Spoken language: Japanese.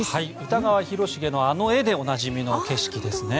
歌川広重のあの絵でおなじみの景色ですね。